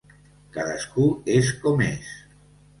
Cadascú és com és.